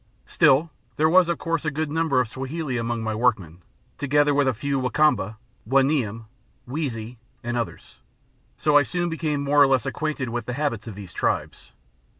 Still there was of course a good number of Swahili among my workmen, together with a few Wa Kamba, Wa N'yam Wezi, and others, so I soon became more or less acquainted with the habits of these tribes.